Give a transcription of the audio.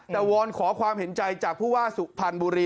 แต่วอนขอความเห็นใจจากผู้ว่าสุพรรณบุรี